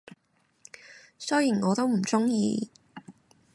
雖然我都唔鍾意